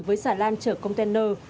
với xà lan chở container